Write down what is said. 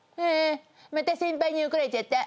「また先輩に怒られちゃった。